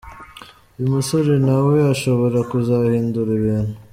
Uyu musore nawe ashobora kuzahindura ibintu.